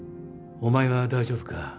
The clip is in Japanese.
お前は大丈夫か？